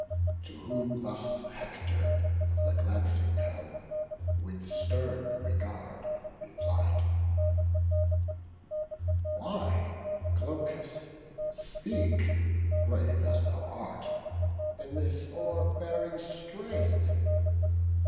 To whom thus Hector of the glancing helm, With stern regard, replied: "Why, Glaucus, speak, Brave as thou art, in this o'erbearing strain?